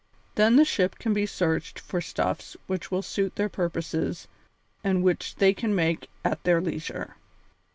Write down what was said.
Then the ship shall be searched for stuffs which will suit their purposes and which they can make at their leisure."